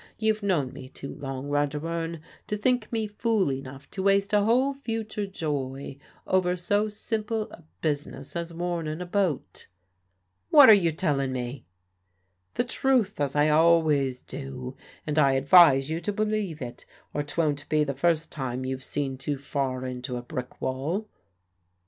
You've known me too long, Roger Wearne, to think me fool enough to waste a whole future joy over so simple a business as warnin' a boat." "What are you tellin' me?" "The truth, as I always do; and I advise you to believe it, or 'twon't be the first time you've seen too far into a brick wall."